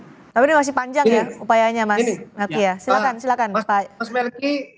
upayanya mas melky silahkan